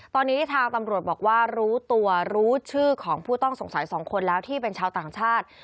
ตอนนี้ทางตำรวจบอกว่ารู้ตัวรู้ชื่อของผู้ต้องสงสัย๒คนแล้วที่เป็นชาวต่างชาติ